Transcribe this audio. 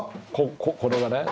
これがね。